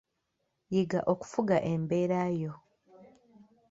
Yiga okufuga embeera yo.